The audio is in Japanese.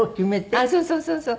あっそうそうそうそう。